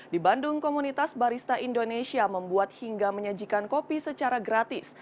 di bandung komunitas barista indonesia membuat hingga menyajikan kopi secara gratis